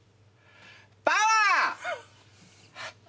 パワー！